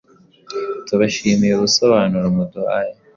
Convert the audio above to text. tubashimiye ubusobanuro muduhaye